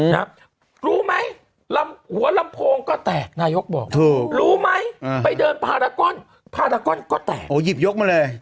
หูวะลำโพงก็แตกนายกบอกลู้ไหมไปเดินพราก่อนก็แตก